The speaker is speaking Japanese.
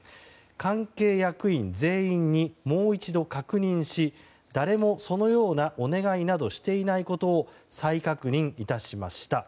関係役員全員にもう一度確認し誰もそのような、お願いなどをしていないことを再確認いたしました。